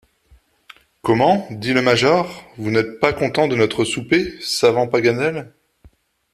Comment! dit le major, vous n’êtes pas content de notre souper, savant Paganel?